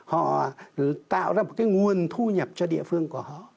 họ tạo ra một cái nguồn thu nhập cho địa phương của họ